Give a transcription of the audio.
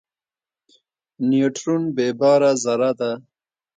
نیوترون بېباره ذره ده.